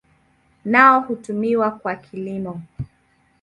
Nao hutumiwa kwa kilimo.